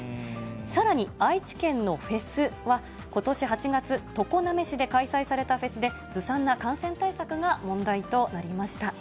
さらに愛知県のフェスは、ことし８月、常滑市で開催されたフェスで、ずさんな感染対策が問題となりました。